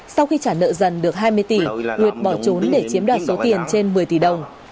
sau khi trả nợ dần được hai mươi tỷ nguyệt bỏ trốn để chiếm đoạt số tiền trên một mươi tỷ đồng